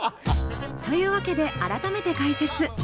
というわけで改めて解説。